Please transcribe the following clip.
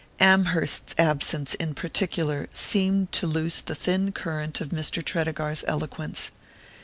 Amherst's absence, in particular, seemed to loose the thin current of Mr. Tredegar's eloquence.